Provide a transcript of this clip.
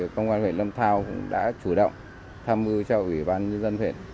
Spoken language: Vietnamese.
công an huyện lâm thao cũng đã chủ động tham mưu cho ủy ban nhân dân huyện